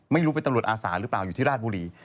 ไม่รู้เป็นตำรวจอาสาหรือเปล่าอยู่ที่ราชบุรี